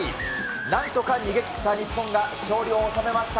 なんとか逃げ切った日本が勝利を収めました。